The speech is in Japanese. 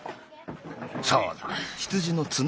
そうだ。